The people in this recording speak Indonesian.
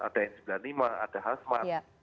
ada n sembilan puluh lima ada hasmat